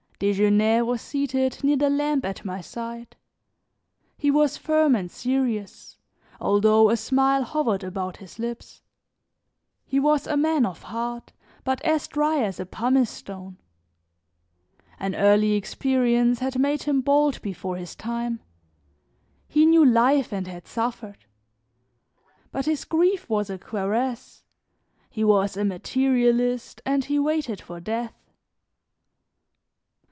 Desgenais was seated near the lamp at my side; he was firm and serious, although a smile hovered about his lips. He was a man of heart, but as dry as a pumice stone. An early experience had made him bald before his time; he knew life and had suffered; but his grief was a cuirass; he was a materialist and he waited for death.